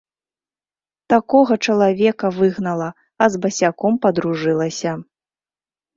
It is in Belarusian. Такога чалавека выгнала, а з басяком падружылася.